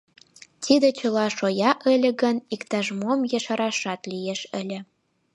Тиде чыла шоя ыле гын, иктаж-мом ешарашат лиеш ыле.